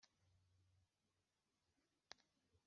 ubwo inshuti za bungura zirishima,